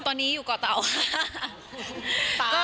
ตอนนี้อยู่ก่อเตาค่ะ